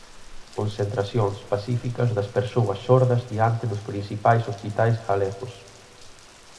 Concentracións pacíficas das persoas xordas diante dos principais hospitais galegos.